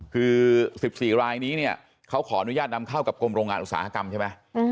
คือ๑๔รายนี้เนี่ยเขาขออนุญาตนำเข้ากับกรมโรงงานอุตสาหกรรมใช่ไหม